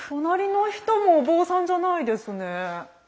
隣の人もお坊さんじゃないですね。